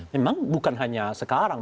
memang bukan hanya sekarang